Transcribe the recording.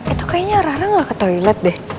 itu kayaknya rana gak ke toilet deh